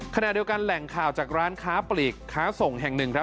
คณะเดียวกันแหล่งข่าวจากร้านค้าปลีกค้าส่งแห่ง๑